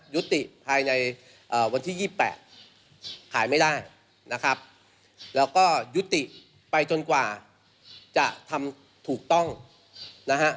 ยุติภายในวันที่๒๘ขายไม่ได้นะครับแล้วก็ยุติไปจนกว่าจะทำถูกต้องนะฮะ